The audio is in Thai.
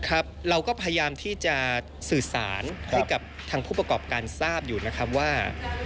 ครับเราก็พยายามที่จะสื่อสารให้กับทางผู้ประกอบการทราบอยู่นะครับว่า